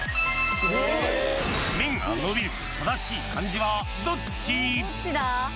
麺がのびる正しい漢字はどっち？